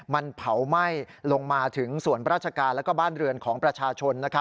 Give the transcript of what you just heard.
มันเผาไหม้ลงมาถึงส่วนราชการและบ้านเรือนของประชาชน